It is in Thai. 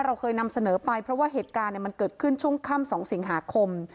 เราเคยนำเสนอไปเพราะว่าเหตุการณ์มันเกิดขึ้นช่วงค่ำ๒สิงหาคม